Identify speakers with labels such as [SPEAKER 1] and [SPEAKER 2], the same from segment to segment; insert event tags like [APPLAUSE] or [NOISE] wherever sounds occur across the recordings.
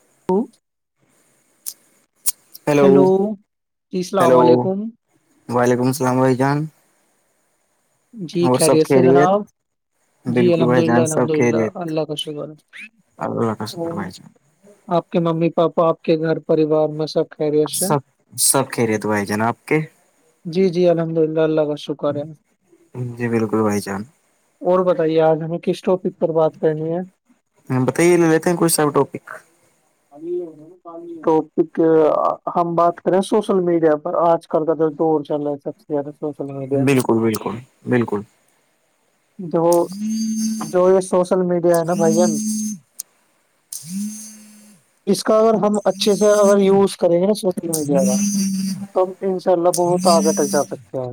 [SPEAKER 1] [UNINTELLIGIBLE] hello جی السلام علیکم
[SPEAKER 2] ویلیکو السم
[SPEAKER 1] جی کیا ریت ہے
[SPEAKER 2] خیریت
[SPEAKER 1] جناب جی
[SPEAKER 2] بالکل
[SPEAKER 1] الحمد
[SPEAKER 2] بھائی
[SPEAKER 1] للہ
[SPEAKER 2] جان سب
[SPEAKER 1] الحمد للہ
[SPEAKER 2] خیریت
[SPEAKER 1] اللہ کا شکر
[SPEAKER 2] اللہ کا شکر بھائی جان
[SPEAKER 1] آپ کے ممی پاپا آپ کے گھر پریوار میں سب خیریت سے
[SPEAKER 2] سب سب کہہ رہے تو بھائی جانا آپ کے
[SPEAKER 1] جی جی الحمد اللہ اللہ کا شکر ہے
[SPEAKER 2] جی بالکل بھائی جان
[SPEAKER 1] اور بتائیے آج ہمیں کس ٹاپک پر بات کرنی ہے
[SPEAKER 2] بتائی لیتے ہیں کچھ سح ٹوپ
[SPEAKER 1] ا [UNINTELLIGIBLE] ٹاپک ہم بات کریں سوشل میڈیا پر آج کل کا تو دور چل رہا ہے سب سے ا سو سل [UNINTELLIGIBLE]
[SPEAKER 2] بالکل بالکل بالکل
[SPEAKER 1] جو جو یہ سوشل میڈیا ہے نا بھائیین [UNINTELLIGIBLE]
[SPEAKER 2] ہ [UNINTELLIGIBLE]
[SPEAKER 1] اس کا اگر ہم اچھے سے اگر یوز کریں م جائے گا تو ہم ان شاء اللہ بہت آگے تک جا سکتے ہیں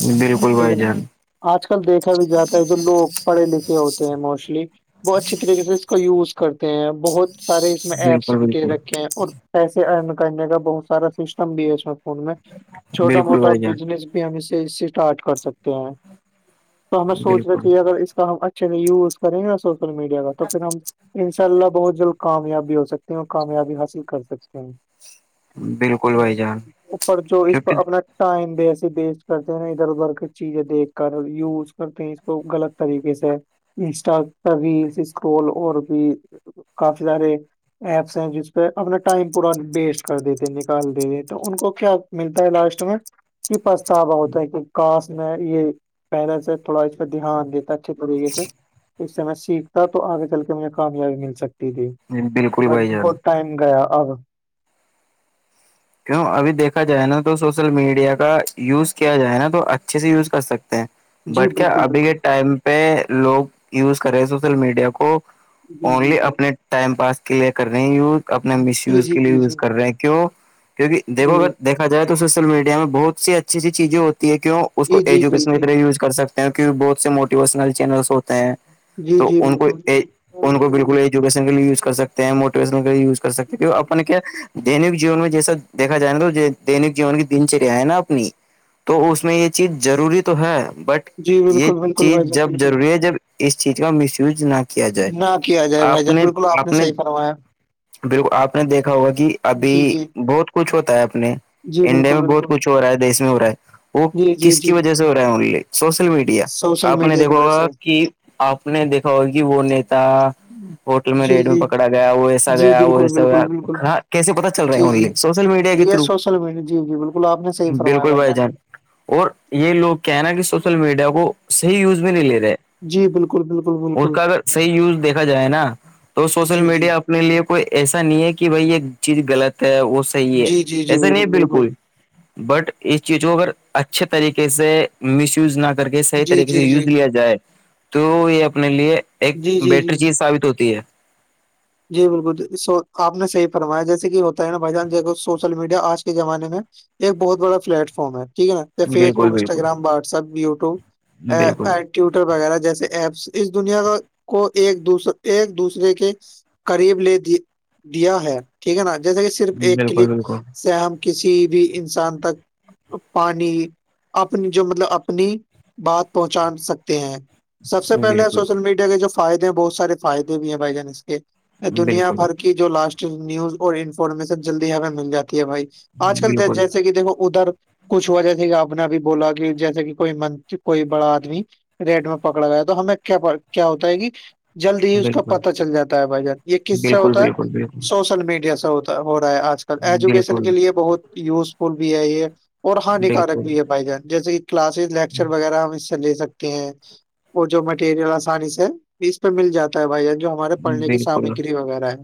[SPEAKER 2] بالکل
[SPEAKER 1] ٹھیک
[SPEAKER 2] بھائی
[SPEAKER 1] ہے نا
[SPEAKER 2] جان
[SPEAKER 1] آج کل دیکھا بھی جاتا ہے جو لوگ پڑھے لکھے ہوتے ہیں موسٹلی بہت اچھی طریقے سے اس کو یوز کرتے ہیں بہت سارے اس میں ایپس
[SPEAKER 2] بالکل
[SPEAKER 1] بھی دے
[SPEAKER 2] بالکل
[SPEAKER 1] رکھے ہیں اور پیسے ارن کرنے کا بہت سارا سسٹم بھی ہے اس میں فون میں چھوٹا
[SPEAKER 2] بالکل
[SPEAKER 1] موٹا
[SPEAKER 2] بھائی جان
[SPEAKER 1] بزنس ہم اسے اسٹارٹ کر سکتے ہیں تو ہمیں سوچنا
[SPEAKER 2] بالکل
[SPEAKER 1] چاہیے اگر اس کا ہم اچھا چلے یوز کریں نا سوشل میڈیا کا تو پھر ہم انشاء اللہ بہت جل کامیابی ہو سکتے ہیں اور کامیابی حاصل کر سکتے ہیں
[SPEAKER 2] بالکل بھائی جان
[SPEAKER 1] اپر جو اس
[SPEAKER 2] کیونکہ
[SPEAKER 1] پر اپنا ٹائم دے ویسٹ کرتے ہیں ادھر ادھر کے چیزیں دیکھ کر یوز کرتے ہیں اس کو غلط طریقے سے انسٹا پر ری اسکرول اور بھی کافی سارے ایپس ہیں جس پہ اپنا ٹائم پورا ویسٹ کر دیتے نکال دیتے تو ان کو کیا ملتا ہے لاسٹ میں کہ پچھتاوا ہوتا ہے کہ کاش میں یہ پہلے سے تھوڑا اس پہ دھیان دیتا اچھے طریقے سے اس سے میں سیکھتا تو آگے چل کے مجھے کامیابی مل سکتی ت
[SPEAKER 2] بالکل
[SPEAKER 1] ب
[SPEAKER 2] بھائی جان
[SPEAKER 1] بہت ٹائم گیا اب [UNINTELLIGIBLE]
[SPEAKER 2] کیوں ابھی دیکا جائے نا تو سوشل میڈیا کا یوز کیا جائے نا تو اچھے سے یوز کر سکتے
[SPEAKER 1] جی
[SPEAKER 2] بٹ کیا
[SPEAKER 1] بالکل
[SPEAKER 2] ابھی کے
[SPEAKER 1] بالکل
[SPEAKER 2] ٹائم پہ لوگ یوز کرے سوشل میڈیا کو
[SPEAKER 1] جی جی
[SPEAKER 2] اونلی
[SPEAKER 1] جی
[SPEAKER 2] اپنے ٹائم پاس کے لیے کر رہے ہیں یوز اپنے مس
[SPEAKER 1] جی
[SPEAKER 2] یوز
[SPEAKER 1] جی
[SPEAKER 2] کے لیے
[SPEAKER 1] جی جی
[SPEAKER 2] یوز کر رہے ہیں کیوں کیوںک دیکھو
[SPEAKER 1] جی
[SPEAKER 2] اگر دیکھا جائے تو سوشل میڈیا میں بہت سی اچھی اچھی چیزیں ہوتی ہے کیوں اس کو
[SPEAKER 1] جی جی جی
[SPEAKER 2] ایجوکیشن کی
[SPEAKER 1] جی
[SPEAKER 2] طرح یوز کر سکتے ہیں کیہ بہت سے موٹیوینل چینلس ہوتے ہیں
[SPEAKER 1] جی
[SPEAKER 2] تو
[SPEAKER 1] جی
[SPEAKER 2] ان کو
[SPEAKER 1] بالکل
[SPEAKER 2] ان کو بالکل ایک ز کر سکتے ہیں موٹیوین لیےز کر سکتے ہیں اپنے کیا دینک جیون میں جیسا دیکا جائے گا دینک جیون کی دن چریا ہے نا اپنی تو اس میں یہ چیز ضروری تو ہے بٹ
[SPEAKER 1] جی
[SPEAKER 2] یہ
[SPEAKER 1] بالکل بالکل
[SPEAKER 2] چیز
[SPEAKER 1] بھائی جان
[SPEAKER 2] جب
[SPEAKER 1] بالکل
[SPEAKER 2] ضروری ہے جب اس چیز کا مس یوز نہ کیا جائے
[SPEAKER 1] نہ کیا جائے بھائی
[SPEAKER 2] آپ
[SPEAKER 1] جان
[SPEAKER 2] نے
[SPEAKER 1] بالکل آ نے
[SPEAKER 2] آپ
[SPEAKER 1] صحی فرمایا [UNINTELLIGIBLE]
[SPEAKER 2] بالکل آپ نے دیکھا ہوگا کہ
[SPEAKER 1] جی
[SPEAKER 2] ابھی
[SPEAKER 1] جی
[SPEAKER 2] بہت کچھ ہوتا ہے اپنے
[SPEAKER 1] جی
[SPEAKER 2] انڈیا میں
[SPEAKER 1] بالکل
[SPEAKER 2] بہت
[SPEAKER 1] بالکل
[SPEAKER 2] کچھ ہو رہا ہے دیش میں ہو رہا ہے وہ
[SPEAKER 1] جی جی
[SPEAKER 2] کس کی
[SPEAKER 1] جی
[SPEAKER 2] وجہ سے ہو رہا ہے ان سوشل میڈیا
[SPEAKER 1] سوشل
[SPEAKER 2] آپ نے
[SPEAKER 1] میڈیا کی
[SPEAKER 2] دیکھا
[SPEAKER 1] وجہ
[SPEAKER 2] ہوگا
[SPEAKER 1] سے
[SPEAKER 2] کہ آپ نے دیکھا ہوگا کہ وہ نیتا ہوٹل میں
[SPEAKER 1] جی
[SPEAKER 2] ریڈ میں
[SPEAKER 1] جی
[SPEAKER 2] پکڑا گیا وہ ایسا
[SPEAKER 1] جی
[SPEAKER 2] گیا وہ
[SPEAKER 1] بالکل
[SPEAKER 2] ایسا گیا
[SPEAKER 1] بالکل بالکل
[SPEAKER 2] ہاں کیسے پتا چل رہا ہے
[SPEAKER 1] جی
[SPEAKER 2] مے
[SPEAKER 1] جی
[SPEAKER 2] لیے سوچ
[SPEAKER 1] یہ سوشل میڈیا جی جی بالکل آپ نے صحی فرمایا
[SPEAKER 2] بالکل بھائی
[SPEAKER 1] بھیا [UNINTELLIGIBLE]
[SPEAKER 2] جان اور یہ لوگ کہناا کہ سوشل میڈیا کو صحیح یوز میں نہیں لے رہے
[SPEAKER 1] جی بالکل بالکل
[SPEAKER 2] اس
[SPEAKER 1] بالکل
[SPEAKER 2] کا اگر صحیح یوز دیکھا جائے نا تو سوشل
[SPEAKER 1] جی جی
[SPEAKER 2] میڈیا اپنے لیے کوئی ایسا نہیں ہے کہ بھائی یہ چیز غلط ہے وہ صحیح ہے
[SPEAKER 1] جی جی جی
[SPEAKER 2] ایسا نہیں بالکل بٹ اس چیز کو اگر اچھے طریقے سے مس یوز نہ کر کے صحیح
[SPEAKER 1] جی
[SPEAKER 2] طریقے
[SPEAKER 1] جی
[SPEAKER 2] سے
[SPEAKER 1] جی
[SPEAKER 2] یوز لیا جائے تو یہ اپنے لیے ایک
[SPEAKER 1] جی جی جی
[SPEAKER 2] بیٹر چیز ثابت ہوتی ہے
[SPEAKER 1] جی بالکل آپ نے صح فرمایا جیسے کہ ہوتا ہے نا بھائی جان سوشل میڈیا آج کے زمانے میں ایک بہت بڑا پلیٹ فارم ہے ٹھیک ہے نا فیس
[SPEAKER 2] بالکل
[SPEAKER 1] بک
[SPEAKER 2] بالکل
[SPEAKER 1] انسٹاگرام واٹس ایپ یوٹیوب
[SPEAKER 2] بالکل
[SPEAKER 1] پوٹر وغیرہ جیسے ایپس اس دنیا کو ایک دوسر ایک دوسرے کے قریب لے دیا ہے ٹھیک ہے نا جیسا کہ صرف ایک کلک
[SPEAKER 2] بالکل بالکل
[SPEAKER 1] سے ہم کسی بھی انسان تک پانی اپنی جو مطلب اپنی بات پہنچا سکتے ہیں سب سے پہلے
[SPEAKER 2] بالکل
[SPEAKER 1] سوشل میڈیا کے جو فائدے ہیں بہت سارے فائدے بھی ہیں بھائی جان اس کے
[SPEAKER 2] بالکل
[SPEAKER 1] دنیا
[SPEAKER 2] بالکل
[SPEAKER 1] بھر کی جو لاسٹ نیوز اور انفارمیشن جلدی ہمیں مل جاتی ہے بھائی آج کل
[SPEAKER 2] بالکل
[SPEAKER 1] جیسے کہ دیکھو ادھر کچھ ہوا جیسے کہ آپ نے بھی بولا کہ جیسے کہ کوئی من کوئی بڑا آدمی ریٹ میں پکڑا گیا تو ہمیں کیا کیا ہوتا ہے کہ جلد ہی اس کا
[SPEAKER 2] بالکل
[SPEAKER 1] پتا چل جاتا جاتا یہ کس سے
[SPEAKER 2] بالکل
[SPEAKER 1] ہوتا ہے
[SPEAKER 2] بالکل
[SPEAKER 1] سو سوشل میڈیا سےتا ہو رہا ہے آج کل ایجوکیشن کے
[SPEAKER 2] بالکل
[SPEAKER 1] لیے بہت یوزفل بھی ہے یہ اور ہانیکارک
[SPEAKER 2] بالکل
[SPEAKER 1] بھی ہے بھائی جان جیسے کہ کلاسز لیکچر وغیرہ ہم اس سے لے سکتے وہ جو مٹیریل آسانی سے اس پہ مل جاتا ہے بھائی جو ہمارے پڑنے کی
[SPEAKER 2] بالکل
[SPEAKER 1] سامگری وغیرہ ہے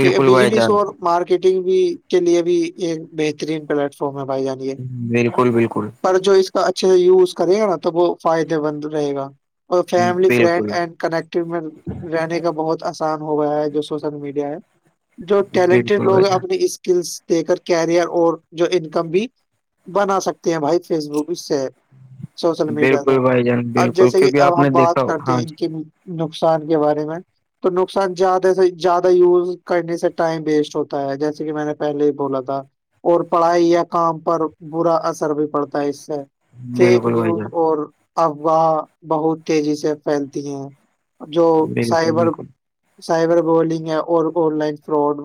[SPEAKER 1] ٹھیک ہے
[SPEAKER 2] بھائی
[SPEAKER 1] بجلیس
[SPEAKER 2] جان
[SPEAKER 1] اور مارکیٹنگ بھی کے لیے بھی ایک بہترین پلیٹ فارم ہے بھائی جان یہ
[SPEAKER 2] بالکل بالکل
[SPEAKER 1] پر جو اس کا اچھے سے یوز کرے گا نا تو وہ فائدے مند رہے گا اور فیملی فرینڈ
[SPEAKER 2] بالکل
[SPEAKER 1] اینڈ کنیکٹو میں رہنے کا بہت آسان ہو گیا ہے جو سوشل میڈیا ہے جو ٹیلنٹیڈ
[SPEAKER 2] بالکل
[SPEAKER 1] لوگ
[SPEAKER 2] بھائی
[SPEAKER 1] ہیں
[SPEAKER 2] جان
[SPEAKER 1] اپنی اس اسکلس دے کر کیریئر اور جو انکم بھی بنا سکتے ہیں بھائی فیس بک اس سے سوشل میڈیا کا
[SPEAKER 2] بالکل بھائی جان
[SPEAKER 1] اب
[SPEAKER 2] بالکل
[SPEAKER 1] جیسے کہ
[SPEAKER 2] کیونکہ آپ
[SPEAKER 1] اب
[SPEAKER 2] نے
[SPEAKER 1] ہم
[SPEAKER 2] دیکھا
[SPEAKER 1] بات
[SPEAKER 2] ہو-
[SPEAKER 1] کرتے
[SPEAKER 2] ہاں
[SPEAKER 1] ہیں ان
[SPEAKER 2] جی
[SPEAKER 1] کی نقصان کے بارے میں تو نقصان زیادہ سے زیادہ یوز کرنے سے ٹائم ویسٹ ہوتا ہے جیسے کہ میں نے پہلے ہی بولا تھا اور پڑھائی یا کام پر برا اثر بھی پڑتا ہے اس سے فیک
[SPEAKER 2] بالکل بھائی
[SPEAKER 1] نیوز
[SPEAKER 2] جان
[SPEAKER 1] اور افواہ بہت تیزی سے پھیلتی ہیں جو
[SPEAKER 2] بالکل
[SPEAKER 1] سائبر
[SPEAKER 2] بالکل
[SPEAKER 1] سائبر گولنگ ہے اور آن لائن فراڈ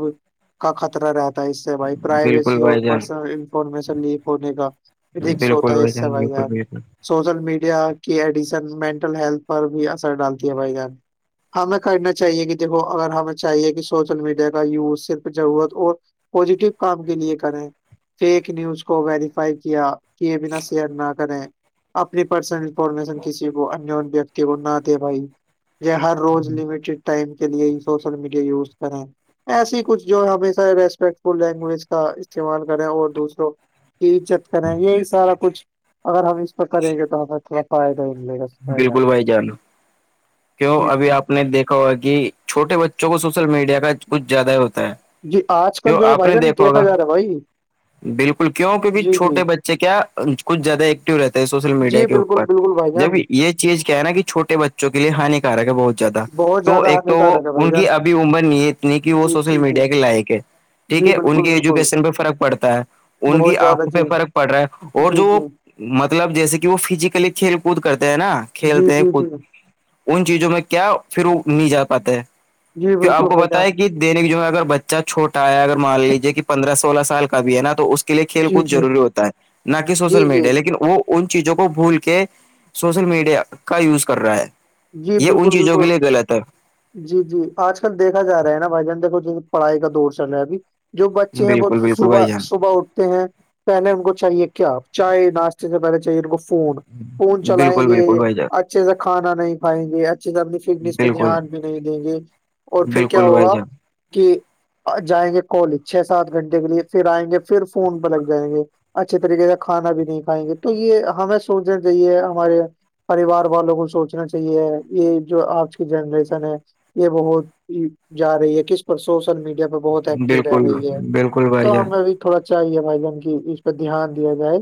[SPEAKER 1] کا خطرہ رہتا اس سے بھائی
[SPEAKER 2] بالکل
[SPEAKER 1] پرائیویسی اور
[SPEAKER 2] بھائی جان
[SPEAKER 1] پرسنل انفارمیشن لیک ہونے کا پھرکسو
[SPEAKER 2] بالکل
[SPEAKER 1] ہوتا ہے اس سے
[SPEAKER 2] جان
[SPEAKER 1] بھائی
[SPEAKER 2] بالکل
[SPEAKER 1] یار
[SPEAKER 2] بالکل
[SPEAKER 1] سوشل میڈیا کی ایڈیشن مینٹل ہیلتھ پر بھی اثر ڈالتی ہے بھائی جان ہمیں کرنا چاہیے کہ دیکھو اگر ہمیں چاہیے کہ سوشل میڈیا کا یوز صرف ضرورت اور پزیٹیو کام کے لیے کریں فیک نیوز کو ویریفائی کیا کہ بنا شیئر نہ کریں اپنی پرسنل انفارمیشن کسی کو وہ نہ دے بھائی یہ ہر روز لمیٹیڈ ٹائم کے لیے ہی سوشل میڈیا یوز کریں ایسی ہی کچھ جو ہمیشہ ریسپیکٹ فل لینگویج کا استعمال کریں اور دوسروں چت کریں یہی سارا کچھ اگر ہم اس پہ کریں گے تو ہمیں تھوڑا فائدہ ہی ملے گا فائدہ
[SPEAKER 2] بالکل بھائی جانا کیوں
[SPEAKER 1] جی
[SPEAKER 2] ابھی
[SPEAKER 1] جی
[SPEAKER 2] آپ پ نے دیکھا ہوا کہ چھوٹے بچوں کو سوشل میڈیا کا کچھ زیادہ ہی ہوتا ہے
[SPEAKER 1] جی آج کل
[SPEAKER 2] کیوں
[SPEAKER 1] جو ہے
[SPEAKER 2] آپ
[SPEAKER 1] بھائی
[SPEAKER 2] نے
[SPEAKER 1] جان
[SPEAKER 2] دیکھا ہوگا
[SPEAKER 1] جا رہا ہے بھائی
[SPEAKER 2] بالکل کیوں کیک
[SPEAKER 1] جی جی
[SPEAKER 2] چھوٹے بچے کیا کچھ زیادہ ایکٹو رہتا ہے سوشل میڈیا
[SPEAKER 1] جی
[SPEAKER 2] کے
[SPEAKER 1] بالکل
[SPEAKER 2] اوپر
[SPEAKER 1] بالکل بھائی
[SPEAKER 2] جب
[SPEAKER 1] جان
[SPEAKER 2] یہ چیز کیا ہے نا کہ چھٹے بچوں کے لیے ہانیکارک ہے بہت تھا
[SPEAKER 1] بہت
[SPEAKER 2] تو
[SPEAKER 1] زیادہ
[SPEAKER 2] ایک تو وہ
[SPEAKER 1] ہانیکارک ہے بھائی
[SPEAKER 2] ان کی
[SPEAKER 1] جان
[SPEAKER 2] ابھی عمر نہیں اتنی کہ وہ
[SPEAKER 1] جی
[SPEAKER 2] سوشل
[SPEAKER 1] جی جی
[SPEAKER 2] میڈیا کے لائق ہے ٹھیک
[SPEAKER 1] جی
[SPEAKER 2] ہے ان
[SPEAKER 1] بالکل
[SPEAKER 2] کی
[SPEAKER 1] بالکل
[SPEAKER 2] ایجوکیشن پہ فرق پڑتا ہے ان کی
[SPEAKER 1] بہت زیادہ
[SPEAKER 2] آنکھوں پہ
[SPEAKER 1] جی
[SPEAKER 2] فرق پڑ رہا ہے اور
[SPEAKER 1] جی
[SPEAKER 2] جو
[SPEAKER 1] جی
[SPEAKER 2] مطلب جیسے کہ وہ فزیکلی کھیل کود کرتے ہیں نا
[SPEAKER 1] جی
[SPEAKER 2] کھیلتے ہیں
[SPEAKER 1] جی
[SPEAKER 2] کو
[SPEAKER 1] جی
[SPEAKER 2] ان چیزوں میں کیا پھر وہ نہیں جا پاتے ہے
[SPEAKER 1] جی
[SPEAKER 2] تو آپ
[SPEAKER 1] بالکل
[SPEAKER 2] کو
[SPEAKER 1] بھائی
[SPEAKER 2] بتیا
[SPEAKER 1] جان
[SPEAKER 2] کہ دیننےک جو ہے اگر بچہ چھوٹا ہے اگر مان لیجیے کہ پندرہ سولہ سال کا بھی ہے نا تو اس لی کھیل
[SPEAKER 1] جی
[SPEAKER 2] کود
[SPEAKER 1] جی
[SPEAKER 2] ضوری ہوتا ہے نہ کہ سوشل
[SPEAKER 1] جی جی
[SPEAKER 2] میڈیا لیکن وہ ان چیزوں کو بھول کے سوشل میڈیا کا یوز کر رہا ہے
[SPEAKER 1] جی
[SPEAKER 2] یہ ان
[SPEAKER 1] بالکل
[SPEAKER 2] چیزوں کے
[SPEAKER 1] بالکل
[SPEAKER 2] لیئے غلط ہے
[SPEAKER 1] جی جی آج کل دھا جا رہا ہے نا بھائی جان دیکھو ج پڑھائی کا دور چل رہا ہے ابھی جو بچے ہیں وہ
[SPEAKER 2] بالکل بالکل
[SPEAKER 1] صبح
[SPEAKER 2] بھائی جان
[SPEAKER 1] صبح اٹ ہیں پہلے ان کو چاہیے کیا چائے ناشتے سے پہلے چاہیے ان کو فون خون چلائیں
[SPEAKER 2] بالکل
[SPEAKER 1] گے
[SPEAKER 2] بالکل بھائی جان
[SPEAKER 1] اچھے سے کھانا نہیں کھائیں گے اچھی سے اپنی فٹنیس پہ
[SPEAKER 2] بالکل
[SPEAKER 1] دھیان بھی نہیں دیں گے اور پھر کیا
[SPEAKER 2] بالکل بھائی
[SPEAKER 1] ہوگا
[SPEAKER 2] جان
[SPEAKER 1] کہ جائیں گے کالج چھ سات گھنٹے کے لیے پھر آئیں گے پھر فون پہ لگ جائیں گے اچھے طریقے سے کھانا بھی نہیں کھائیں گے تو یہ ہمیں سوچنا چاہیے ہمارے پریوار والوں کو سوچنا چاہیے یہ جو آج کی جنریشن ہے یہ بہت جا رہی ہے کس پر سوشل میڈیا پر بہت ایکٹو رہ
[SPEAKER 2] بالکل
[SPEAKER 1] رہی ہے
[SPEAKER 2] بالکل بھائی
[SPEAKER 1] تو
[SPEAKER 2] جان
[SPEAKER 1] ہمیں ا بھی تھوڑا چاہیے بھائی جن کی اس پہ دھیان دیا جائے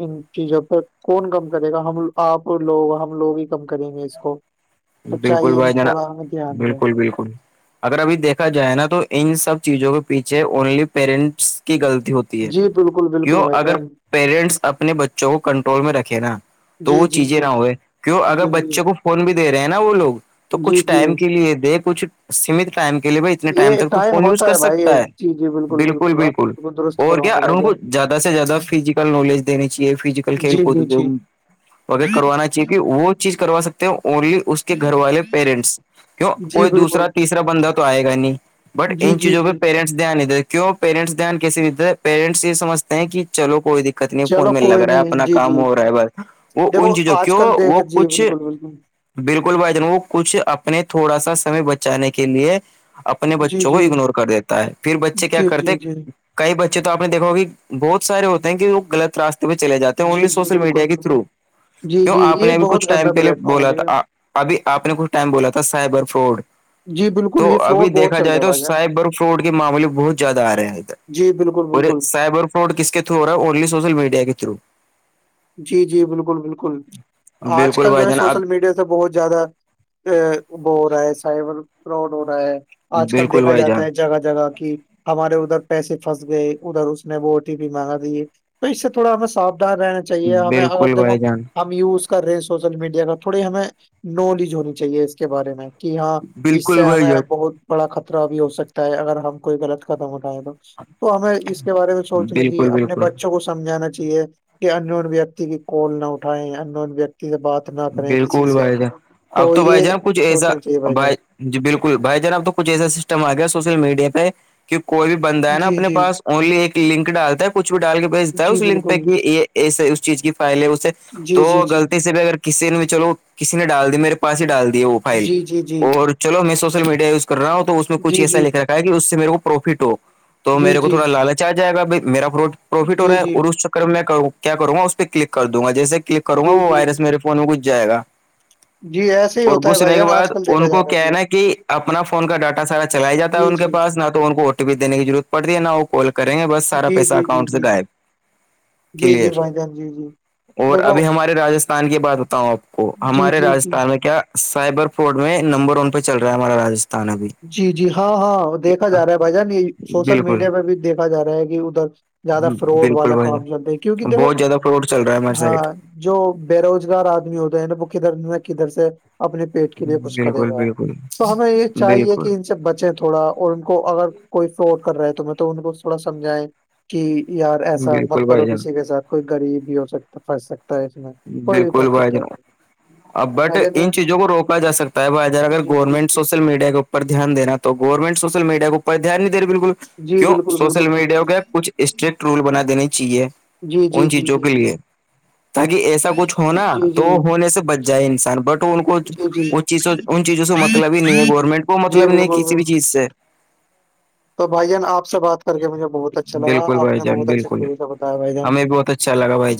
[SPEAKER 1] ان چیزوں پ کون کم کرے گا ہم آپ لوگ ہم لوگ ہی کم کریں گے اس کو تو
[SPEAKER 2] بالکل
[SPEAKER 1] چاہیے کہ
[SPEAKER 2] بھائی جرا
[SPEAKER 1] تھوڑا ہمیں دھیان دیں
[SPEAKER 2] بالکل بالکل اگر ابھی دیکھا جائے نا تو ان سب چیزوں کے پیچھے اونلی پیرنٹس کی غلطی ہوتی ہے
[SPEAKER 1] جی بالکل بالکل
[SPEAKER 2] کیوں
[SPEAKER 1] بھائی
[SPEAKER 2] اگر
[SPEAKER 1] جان
[SPEAKER 2] پیرنٹس اپنے بچوں کو کنٹرول میں رکھیں نا تو
[SPEAKER 1] جی
[SPEAKER 2] وہ
[SPEAKER 1] جی
[SPEAKER 2] چیزیں نہ
[SPEAKER 1] جی
[SPEAKER 2] ہوئے کیوں اگر
[SPEAKER 1] جی
[SPEAKER 2] بچے کو فون بھی دے رہے ہیں نا وہ لوگ تو
[SPEAKER 1] جی جی
[SPEAKER 2] کچھ
[SPEAKER 1] جی
[SPEAKER 2] ٹائم کے لیے دے کچھ سیمت ٹائم کے لیے ب ٹائم
[SPEAKER 1] یہ
[SPEAKER 2] تک تو فون یوز
[SPEAKER 1] ہوتا
[SPEAKER 2] کر
[SPEAKER 1] بھائی
[SPEAKER 2] سکتا ہے
[SPEAKER 1] جی جی
[SPEAKER 2] بالکل
[SPEAKER 1] آپ نے
[SPEAKER 2] بالکل
[SPEAKER 1] درست
[SPEAKER 2] اور کیا
[SPEAKER 1] فرمایا بھائی
[SPEAKER 2] ارن کو
[SPEAKER 1] جان
[SPEAKER 2] زیادہ سے زیادہ فزیکل نالج دینی چاہی فزیکل کھیل
[SPEAKER 1] جی
[SPEAKER 2] کو
[SPEAKER 1] جی
[SPEAKER 2] کے
[SPEAKER 1] جی
[SPEAKER 2] و کروانا چاہیے کہ وہ چیز کروا سکتے ہیں اونلی اس کے گھر والے پیرنٹس کیوں
[SPEAKER 1] جی
[SPEAKER 2] کوئی دوسا
[SPEAKER 1] بالکل
[SPEAKER 2] تیسرا بندہ تو آئے گا ہی نہیں بٹ
[SPEAKER 1] جی
[SPEAKER 2] ان
[SPEAKER 1] جی
[SPEAKER 2] چیزوں پہ
[SPEAKER 1] جی
[SPEAKER 2] پیرنٹس دھیان نہیں د کیوں پیرنٹس دھیان کیسے دتا ہے پیرنٹس یہ سجھتے ہیں کہ چلو کوئی د کتنی
[SPEAKER 1] چلو
[SPEAKER 2] فون میں لگ
[SPEAKER 1] کوئی
[SPEAKER 2] رہا ہے
[SPEAKER 1] نہیں
[SPEAKER 2] اپنا
[SPEAKER 1] جی جی
[SPEAKER 2] کام ہو رہا ہے ب وہ ان چیزوں کیوں وہ کچھ
[SPEAKER 1] بالکم
[SPEAKER 2] بالکل بھائی جن وہ کچھ اپنے تھوڑا سا سمے بچانے کے لیے اپنے
[SPEAKER 1] جی
[SPEAKER 2] بچوں کو
[SPEAKER 1] جی
[SPEAKER 2] اگنور کر دیتا ہے پھر بچے کیا
[SPEAKER 1] جی جی
[SPEAKER 2] کرتے
[SPEAKER 1] جی
[SPEAKER 2] کئی بچے تو آپ نے دیکھا کہ بہت سارے ہوتے ہیں کہ وہ لط راستے پہ چل جاتے ہیں
[SPEAKER 1] جی
[SPEAKER 2] اونلی
[SPEAKER 1] جی
[SPEAKER 2] سوشل
[SPEAKER 1] بالکل
[SPEAKER 2] میڈیا کے
[SPEAKER 1] بالکل
[SPEAKER 2] تھرو
[SPEAKER 1] جی
[SPEAKER 2] کیوں
[SPEAKER 1] جی
[SPEAKER 2] آپ
[SPEAKER 1] یہ
[SPEAKER 2] نے ابھی کچھ
[SPEAKER 1] بہت گندا
[SPEAKER 2] ٹائم پہلے
[SPEAKER 1] پلیٹ فارم ہے
[SPEAKER 2] بولا تھا
[SPEAKER 1] جی
[SPEAKER 2] ابھی آپ نے کچھ ٹائم بولا تھا سائبر فراڈ
[SPEAKER 1] جی بالکل
[SPEAKER 2] تو
[SPEAKER 1] یہ فراڈ
[SPEAKER 2] ابھی دیکھ
[SPEAKER 1] بہت چل
[SPEAKER 2] جائے
[SPEAKER 1] رہا ہے
[SPEAKER 2] تو
[SPEAKER 1] بھائی جان
[SPEAKER 2] سائبر فروٹ کے معاملے بہت زیادہ آ رہے ہیں ادھر
[SPEAKER 1] جی بالکل بالکل
[SPEAKER 2] و کس کے تھرو ہو رہا الی سوشل میڈیا کے تھرو
[SPEAKER 1] جی جی بالکل بالکل آج
[SPEAKER 2] بالکل
[SPEAKER 1] کل جو
[SPEAKER 2] بھائی
[SPEAKER 1] ہے
[SPEAKER 2] جان آپ
[SPEAKER 1] سوشل میڈیا سے مطلب بہت زیادہ ا وہ ہو رہا ہے سائبر فراڈ ہو رہا ہے آج کل
[SPEAKER 2] بالکل
[SPEAKER 1] دیکا
[SPEAKER 2] بھائی جان
[SPEAKER 1] جاتا ہے جگہ جگہ کی ہمارے ادھر پیسے پھنس گئے ادھر اس نے وہ او ٹی پی مانگا دیے تو اس سے تھوڑا ہمیں ساودھان رہنا چاہیے ہمیں اگر
[SPEAKER 2] بالکل
[SPEAKER 1] دیکھ
[SPEAKER 2] بھائی جان
[SPEAKER 1] ہم ہم یوز کر رہے ہیں سوشل میڈیا کا تھوڑے ہمیں نالج ہونی چاہیے اس کے بارے میں کہ ہاں اس
[SPEAKER 2] بالکل
[SPEAKER 1] سے
[SPEAKER 2] بھائی
[SPEAKER 1] ہمیں
[SPEAKER 2] جان
[SPEAKER 1] بہت بڑا خطرہ بھی ہو سکتا ہے اگر ہم کوئی غلط قدم اٹھائےیں تو تو ہمیں اس کے بارے میں سوچنا چاہیے
[SPEAKER 2] بالکل
[SPEAKER 1] اپنے
[SPEAKER 2] بالکل
[SPEAKER 1] بچوں کو سمجھانا چاہیے انون ویکتی کی کوال نہ اٹھائے ان نون ویکتی سے بات نہ کریں کسی
[SPEAKER 2] بالکل
[SPEAKER 1] سے
[SPEAKER 2] بھائی جان اب تو بھائی
[SPEAKER 1] یہ
[SPEAKER 2] جان کچھ ایسا
[SPEAKER 1] سوچنا چاہیے جان
[SPEAKER 2] بھائی جی بالکل بھائی جانب اب تو کچھ ایسا سسٹم آ گیا سوشل میڈیا پہ کہ کوئی بھی بند ہے نا
[SPEAKER 1] جی
[SPEAKER 2] اپنے
[SPEAKER 1] جی
[SPEAKER 2] پس اونلی ایک لنک ڈالتا ہے کچھ بھی ڈال کے بھیجتا ہے
[SPEAKER 1] جی
[SPEAKER 2] اس لنک پہ
[SPEAKER 1] بالکل
[SPEAKER 2] کہ یہ اس اس چیز کی فائل ہے اس سے
[SPEAKER 1] جی
[SPEAKER 2] تو
[SPEAKER 1] جی جی
[SPEAKER 2] غلطی سے بھی اگر میں چلو کسی نے ڈال دییا میرے پاس ہی ڈال دی ہے وہ فائل
[SPEAKER 1] جی جی جی
[SPEAKER 2] وہ چلو میں سوشل میڈیا یوز کر رہا ہوں تو اس میں
[SPEAKER 1] جی
[SPEAKER 2] کچھ ایسا
[SPEAKER 1] جی
[SPEAKER 2] لکھ رکھا ہے اس سے میرے کو پروفٹ ہو تو
[SPEAKER 1] جی جی
[SPEAKER 2] میرے کو
[SPEAKER 1] جی
[SPEAKER 2] تھوڑا لالچ آ جائے گ بھائی میرا پرفٹ ہو
[SPEAKER 1] جی
[SPEAKER 2] رہا ہے اور اس میں کیا کروں گا اس پہ کلک کر دوں گا جیسے کلک کروں گا
[SPEAKER 1] جی
[SPEAKER 2] وہ
[SPEAKER 1] جی
[SPEAKER 2] وائرس میرے فون میں گس جائےا
[SPEAKER 1] جی ہے ایسے ہی
[SPEAKER 2] اور
[SPEAKER 1] ہوتا بھائی
[SPEAKER 2] گھسنے کے
[SPEAKER 1] جان
[SPEAKER 2] بعد
[SPEAKER 1] آج کل
[SPEAKER 2] ان
[SPEAKER 1] دیکھا
[SPEAKER 2] کو
[SPEAKER 1] جا رہا
[SPEAKER 2] کیا ہے نا کہ اپنا فون کا ڈاٹا سارا چلایا جاتا ہے
[SPEAKER 1] جی جی
[SPEAKER 2] ان کے
[SPEAKER 1] جی
[SPEAKER 2] پاس نہ تو ان کو دینے کی ضرورت پڑتی ہے نہ وہ کال کریں گ بس
[SPEAKER 1] جی
[SPEAKER 2] سایسہ
[SPEAKER 1] جی جی
[SPEAKER 2] اکاؤنٹ سے گائب
[SPEAKER 1] جی جی
[SPEAKER 2] کلیئر
[SPEAKER 1] بھائی جان جی جی
[SPEAKER 2] اور
[SPEAKER 1] دیکھو
[SPEAKER 2] ابھی ہماری رجستھان کی بات بتاؤں آپ کو
[SPEAKER 1] جی
[SPEAKER 2] ہمارے
[SPEAKER 1] جی جی
[SPEAKER 2] راستھان میں کیا سائبر فورٹ میں نمبر ون پہ چل رہا ہے ہماراجستھان
[SPEAKER 1] جی جی ہاں ہاں دیکھا جا رہا ہے بھائی جان یہ سوشل
[SPEAKER 2] بالکل
[SPEAKER 1] میڈیا پہ بھی دیکھا جا ہے کہ ادھر زیادہ فراڈ
[SPEAKER 2] بالکل
[SPEAKER 1] والا
[SPEAKER 2] بھائی
[SPEAKER 1] کام چلتا ہے کیونکہ
[SPEAKER 2] جان
[SPEAKER 1] دیکھو
[SPEAKER 2] بہت زیادہ فراڈ چل رہا ہے ہماری سائڈ
[SPEAKER 1] ہاں جو بے روزگار آدمی ہوتے ہیں نا وہ کدھر نہ کدھر سے اپنے پیٹ کے لیے کچھ کرے
[SPEAKER 2] بالکل
[SPEAKER 1] گا
[SPEAKER 2] بالکل
[SPEAKER 1] تو ہمیں ایک
[SPEAKER 2] بالکل
[SPEAKER 1] سے بچیں تھوڑا اور ان کو اگر کوئی فراڈ کر رہا ہے تو میں تو ان کو تھوڑا سمجھائیں کہ یار ایسا
[SPEAKER 2] بالکل
[SPEAKER 1] مت
[SPEAKER 2] بھائی
[SPEAKER 1] کرو
[SPEAKER 2] جان
[SPEAKER 1] کسی کے ساتھ کوئی غریب بھی ہو سکتا پھنس سکتا ہے اس میں کوئی بھی
[SPEAKER 2] بالکل
[SPEAKER 1] پھنس
[SPEAKER 2] بھائی
[SPEAKER 1] سکتا
[SPEAKER 2] جناب
[SPEAKER 1] ہے
[SPEAKER 2] ا بٹ
[SPEAKER 1] بھائی جان یار
[SPEAKER 2] ان چیزوں کو روکا سکتا ہے بھائی جار اگر
[SPEAKER 1] جی جی
[SPEAKER 2] گورنمنٹ سوشل میڈیا کےر دھیان دینا تو گورنمنٹ سوشل میڈیا کو پرپ دھیان نہیں د رہا بالکل
[SPEAKER 1] جی
[SPEAKER 2] کیوں
[SPEAKER 1] بالکل
[SPEAKER 2] سوشل
[SPEAKER 1] بالکل
[SPEAKER 2] میڈیا
[SPEAKER 1] بالکل
[SPEAKER 2] کا کچھ اسٹرکٹ رول بنا دیننے چاہیے
[SPEAKER 1] جی جی
[SPEAKER 2] ان
[SPEAKER 1] جی
[SPEAKER 2] چیزوں
[SPEAKER 1] جی
[SPEAKER 2] کے
[SPEAKER 1] جی
[SPEAKER 2] لیے تاکہ ایسا کچھ
[SPEAKER 1] جی
[SPEAKER 2] ہونا تو
[SPEAKER 1] جی
[SPEAKER 2] ہونے سے بچ جائے انسان بٹ ان کو
[SPEAKER 1] جی جی
[SPEAKER 2] ان چیز ان چیزوں سے مطلب ہی نہیں ہے گورنمنٹ کو
[SPEAKER 1] جی
[SPEAKER 2] مطلب نہیں
[SPEAKER 1] بالکل
[SPEAKER 2] ہے کسی بھی
[SPEAKER 1] بالکل
[SPEAKER 2] چیز سے
[SPEAKER 1] تو بھائی جان آپ سے بات کر کے مجھے بہت اچھا لگا
[SPEAKER 2] بالکل
[SPEAKER 1] آپ
[SPEAKER 2] بھائی
[SPEAKER 1] نے
[SPEAKER 2] جان
[SPEAKER 1] بہت اچھے
[SPEAKER 2] بالکل
[SPEAKER 1] طریقے بتایا بھائی جان
[SPEAKER 2] ہمیں بھی بہت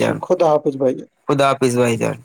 [SPEAKER 1] جی خود آاپظ بھائی ج
[SPEAKER 2] خدافظھائی جر